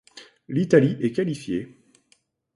L'Italie est qualifiée.